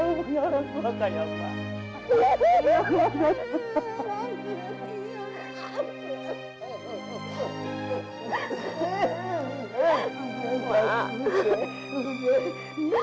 saya tidak ingin berhutang dengan anda